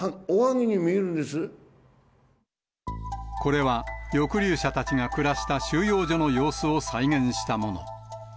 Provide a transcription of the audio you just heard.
これは、抑留者たちが暮らした収容所の様子を再現したもの。